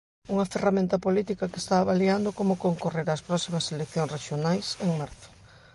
Unha ferramenta política que está avaliando como concorrer ás próximas eleccións rexionais, en marzo.